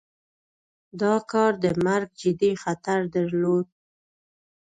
دا کار د مرګ جدي خطر درلود.